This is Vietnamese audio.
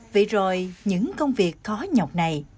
vậy rồi những công việc khó nhọc này